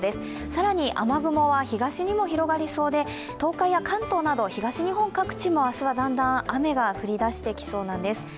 更に雨雲は東にも広がりそうで東海や関東など東日本各地も明日はだんだん雨が降り出してきそうです。